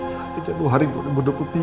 sampai jam dua hari dua ribu dua puluh tiga pak